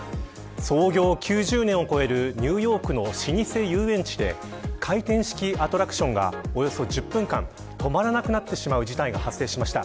創業９０年を超えるニューヨークの老舗遊園地で回転式アトラクションがおよそ１０分間止まらなくなってしまう事態が発生しました。